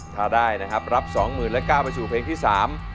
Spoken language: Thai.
ถ้าได้นะครับรับ๒ท่านและก้าวมาชู่เพลงที่สาม